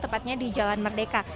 tepatnya di jalan merdeka